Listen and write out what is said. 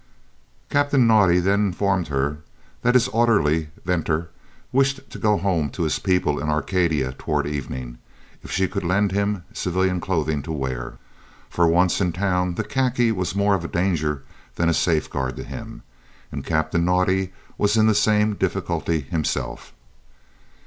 Captain Naudé then informed her that his orderly Venter wished to go home to his people in Arcadia towards evening, if she could lend him civilian clothing to wear, for once in the town the khaki was more of a danger than a safeguard to him, and Captain Naudé was in the same difficulty himself.